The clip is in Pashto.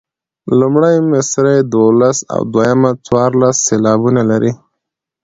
لومړۍ مصرع دولس او دویمه څوارلس سېلابونه لري.